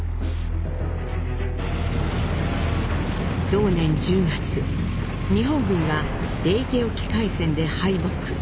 同年１０月日本軍がレイテ沖海戦で敗北。